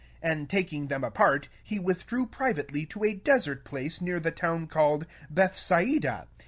And taking them, he withdrew privately to a desert place of [a city called] Bethsaida.